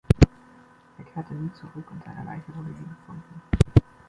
Er kehrte nie zurück, und seine Leiche wurde nie gefunden.